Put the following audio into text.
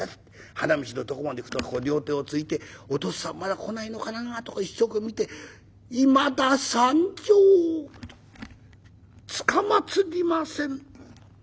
花道のとこまで行くと両手をついてお父っつぁんまだ来ないのかなと一生懸命見て「いまだ参上つかまつりません」。